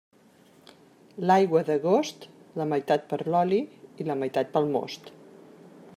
L'aigua d'agost, la meitat per l'oli i la meitat pel most.